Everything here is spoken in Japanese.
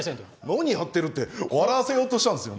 何やってるって笑わせようとしたんですよ。